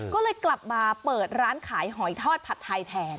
ก็เลยกลับมาเปิดร้านขายหอยทอดผัดไทยแทน